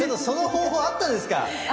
その方法あったんですか。